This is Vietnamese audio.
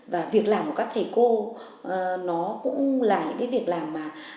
và việc làm của các thầy cô nó cũng là những cái việc làm mà